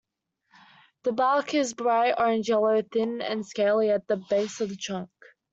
The bark is bright orange-yellow, thin and scaly at the base of the trunk.